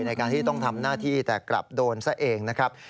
ในการที่ต้องทำหน้าที่แต่กลับโดนซะเองนะครับ